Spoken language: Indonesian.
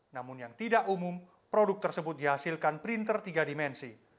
namun yang tidak umum produk tersebut dihasilkan printer tiga dimensi